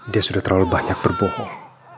dia sudah terlalu banyak berbohong